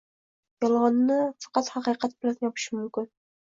Yolg‘onni faqat haqiqat bilan yopish mumkin.